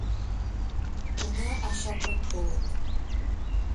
Уна ачатмыт толыт.